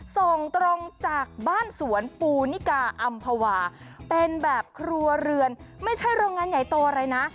ส่งตรงจากบ้านสวนปูนิกาอำภาวาเป็นแบบครัวเรือนไม่ใช่โรงงานใหญ่โตอะไรนะ